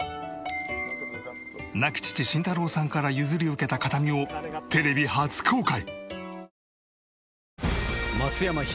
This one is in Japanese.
亡き父慎太郎さんから譲り受けた形見をテレビ初公開！